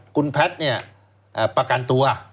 คุณแพทย์ประกันตัว